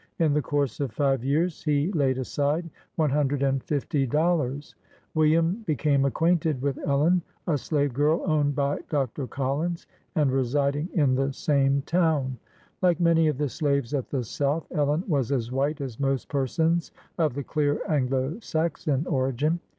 In the course of five years, he laid aside one hundred and fiftv dollars. William be came acquainted with Ellen, a slave girl owned by Dr. 76 BIOGRAPHY OF Collins, and residing in the same town. Like many of the slaves at the South, Ellen was as white as most persons of the clear Anglo Saxon origin.